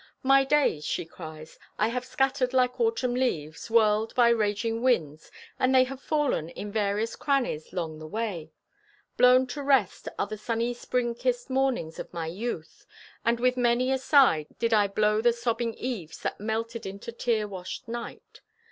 "My days," she cries, "I have scattered like autumn leaves, whirled by raging winds, and they have fallen in various crannies 'long the way. Blown to rest are the sunny spring kissed mornings of my youth, and with many a sigh did I blow the sobbing eves that melted into tear washed night.